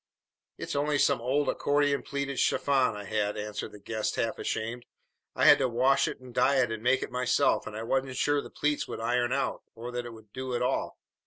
"It's only some old accordion pleated chiffon I had," answered the guest half ashamed. "I had to wash it and dye it and make it myself, and I wasn't sure the pleats would iron out, or that it would do at all.